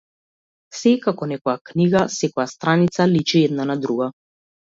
Сѐ е како некоја книга, секоја страница личи една на друга.